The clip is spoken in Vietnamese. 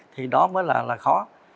thì đó mới là khó